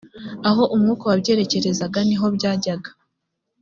aho umwuka wabyerekezaga ni ho byajyaga